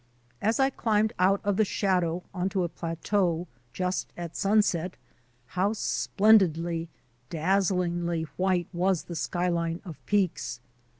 As I climbed out of the shadow on to a plateau, just at sunset, how splen didly, dazzlingly white was the skyline of peaks!